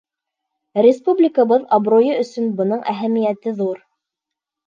Республикабыҙ абруйы өсөн бының әһәмиәте ҙур.